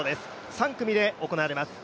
３組で行われます。